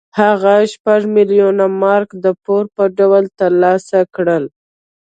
هغه شپږ میلیونه مارکه د پور په ډول ترلاسه کړل.